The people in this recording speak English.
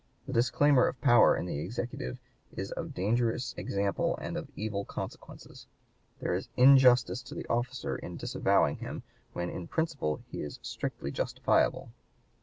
The disclaimer of power in the Executive is of dangerous example and of evil consequences. There is injustice to the officer in disavowing him, when in principle he is strictly justifiable."